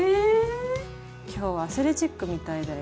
今日はアスレチックみたいだよ。